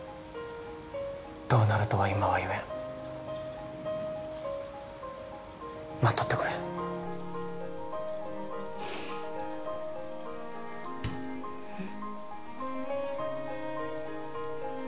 どうなるとは今は言えん待っとってくれうん